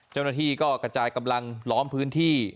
เจ้าหน้าที่ก็กระจายกำลังล้อมพื้นที่